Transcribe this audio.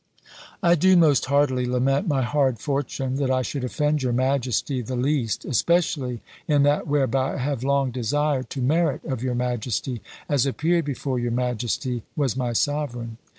"I do most heartily lament my hard fortune that I should offend your majesty the least, especially in that whereby I have long desired to merit of your majesty, as appeared before your majesty was my sovereign.